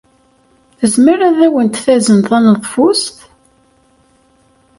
Tezmer ad awent-d-tazen taneḍfust?